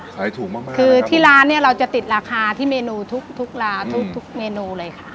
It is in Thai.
ขายถูกมากมากคือที่ร้านเนี่ยเราจะติดราคาที่เมนูทุกทุกลาทุกทุกเมนูเลยค่ะ